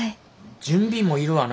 準備もいるわな。